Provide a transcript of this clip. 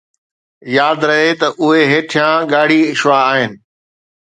ياد رهي ته اهي هيٺيان ڳاڙهي شعاع آهن